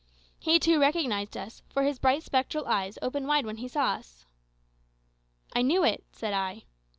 He, too, recognised us, for his bright spectral eyes opened wide when he saw us. "I knew it," said I.